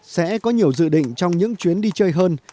sẽ có nhiều dự định trong những chuyến đi chơi hơn